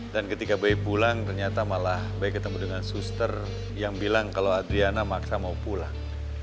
dan ketika be pulang ternyata malah be ketemu dengan suster yang bilang kalo adriana maksa mau pulang